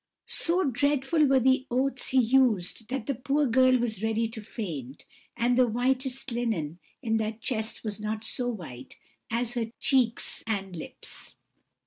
"So dreadful were the oaths he used that the poor girl was ready to faint, and the whitest linen in that chest was not so white as her cheeks and lips.